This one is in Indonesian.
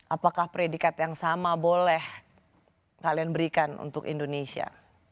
apakah predikat yang sama boleh kalian berikan untuk indonesia